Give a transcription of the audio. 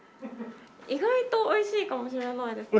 意外とおいしいかもしれないですね。